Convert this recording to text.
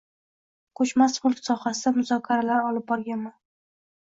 koʻchmas mulk sohasida muzokaralar olib borganman.